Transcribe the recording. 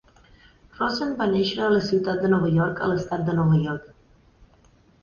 Rosen va néixer a la ciutat de Nova York a l'estat de Nova York.